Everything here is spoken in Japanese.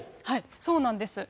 そうなんです。